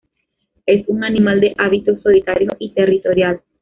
Es un animal de hábitos solitarios y territorial.